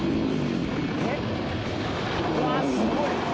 うわすごい。